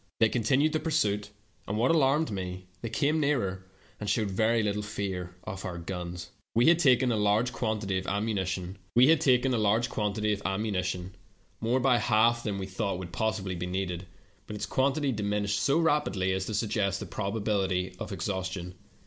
They continued the pursuit, and what alarmed me, they came nearer, and showed very little fear of our guns, CHASED BY WOLYES. 165 "We had taken a large quantity of ammunition — more by half than we thought would possibly be needed — but its quantity diminished so rapidly as to suggest the probability of exhaustion.